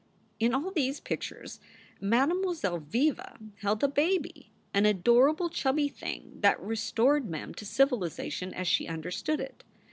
In all these pictures Mademoiselle Viva held a baby, an adorable chubby thing that restored Mem to civilization as she understood it.